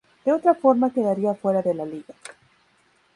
De otra forma quedaría fuera de la liga".